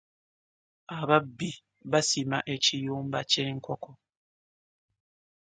Ababbi basima ekiyumba kye nkoko.